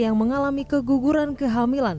yang mengalami keguguran kehamilan